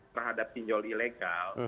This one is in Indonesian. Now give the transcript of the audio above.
terhadap pinjol ilegal